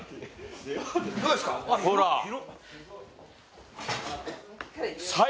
どうですか広い！